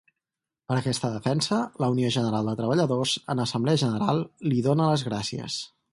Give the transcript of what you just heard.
Per aquesta defensa, la Unió General de Treballadors en assemblea general li dóna les gràcies.